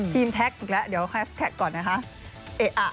แท็กอีกแล้วเดี๋ยวแฮสแท็กก่อนนะคะ